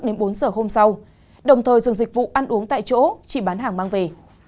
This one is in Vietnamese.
đến bốn giờ hôm sau đồng thời dừng dịch vụ ăn uống tại chỗ chỉ bán hàng mang về